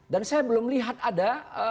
dan saya belum lihat ada